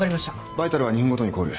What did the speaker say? バイタルは２分ごとにコール。